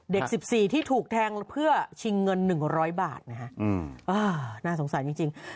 เด็กสิบสี่ที่ถูกแทงเพื่อชิงเงินหนึ่งร้อยบาทนะฮะอืมอ้าวน่าสงสัยจริงจริง